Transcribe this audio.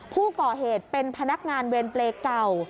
ผู้ก่อเหตุเป็นพนักงานเวรเปรย์เก่า